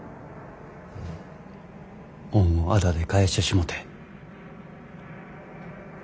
恩をあだで返してしもて。